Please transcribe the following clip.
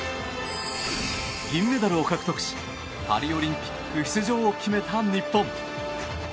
銀メダルを獲得しパリオリンピック出場を決めた日本。